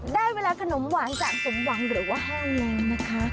ได้วิธีขนมหวานจากสมวังหรือว่าห้ามแรงนะคะ